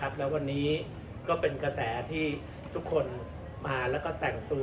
แล้ววันนี้ก็เป็นกระแสที่ทุกคนมาแล้วก็แต่งตัว